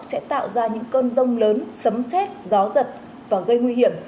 sẽ tạo ra những cơn rông lớn sấm xét gió giật và gây nguy hiểm